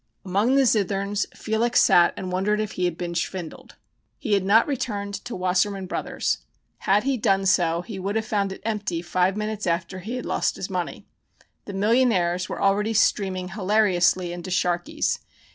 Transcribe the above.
Among the zitherns Felix sat and wondered if he had been schvindled. He had not returned to Wassermann Brothers. Had he done so he would have found it empty five minutes after he had lost his money. The millionaires were already streaming hilariously into Sharkey's.